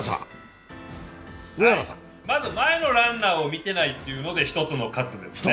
まず前のランナーを見ていないというので１つの喝ですね。